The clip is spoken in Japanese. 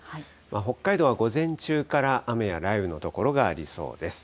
北海道は午前中から雨や雷雨の所がありそうです。